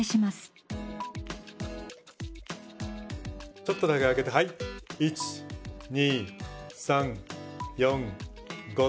ちょっとだけ上げてはい１２３４５。